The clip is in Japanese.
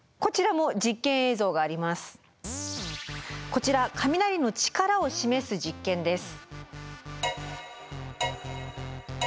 こちら雷の力を示す実験です。